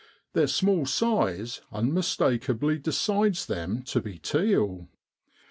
Their small size unmistakeably decides them to be teal.